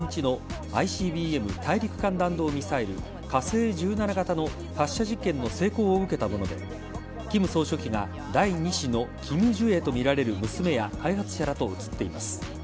写真は１８日のＩＣＢＭ＝大陸間弾道ミサイル火星１７型の発射実験の成功を受けたもので金総書記が第２子のキム・ジュエとみられる娘や開発者らと写っています。